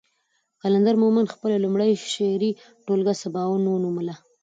قلندر مومند خپله لومړۍ شعري ټولګه سباوون نوموله.